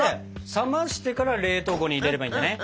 冷ましてから冷凍庫に入れればいいんだね？